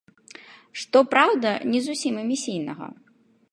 Што праўда, не зусім эмісійнага.